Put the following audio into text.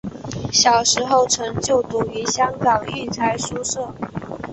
小时候曾就读于香港育才书社。